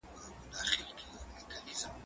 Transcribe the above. لوبه وکړه؟